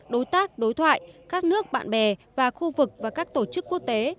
đối tác đối thoại các nước bạn bè và khu vực và các tổ chức quốc tế